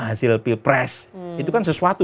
hasil pilpres itu kan sesuatu